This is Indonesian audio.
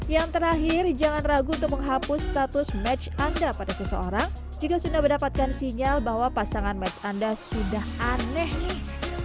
yang terakhir jangan ragu untuk menghapus status match anda pada seseorang jika sudah mendapatkan sinyal bahwa pasangan match anda sudah aneh nih